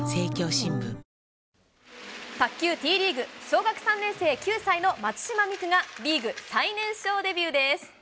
小学３年生、９歳の松島美空が、リーグ最年少デビューです。